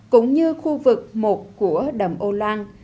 cũng như khu vực một của đầm âu lan